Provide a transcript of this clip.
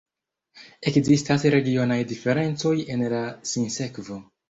Ekzistas regionaj diferencoj en la sinsekvo.